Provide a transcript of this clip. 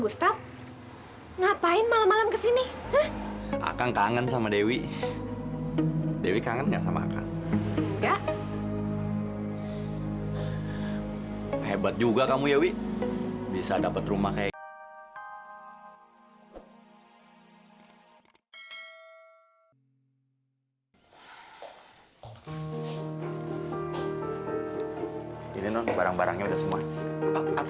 sampai jumpa di video selanjutnya